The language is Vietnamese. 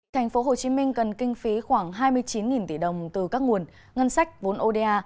thành phố hồ chí minh cần kinh phí khoảng hai mươi chín tỷ đồng từ các nguồn ngân sách vốn oda